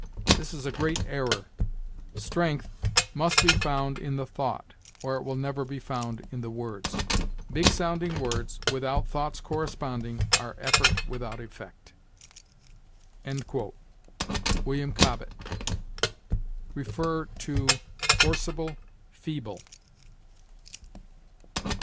This is a great error. Strength must be found in the thought, or it will never be found in the words. Big sounding words, without thoughts corresponding, are effort without effect." William Cobbett. See FORCIBLE FEEBLE.